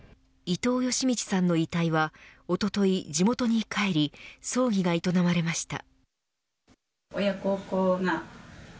伊藤嘉通さんの遺体はおととい、地元に帰り葬儀が営まれました。